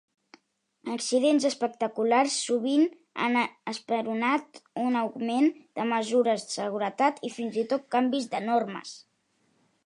Accidents espectaculars sovint han esperonat un augment de mesures de seguretat i fins i tot, canvis de normes.